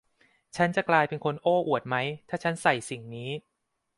ฉันจะกลายเป็นคนโอ้อวดมั้ยถ้าฉันใส่สิ่งนี้